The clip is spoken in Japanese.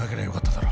だろ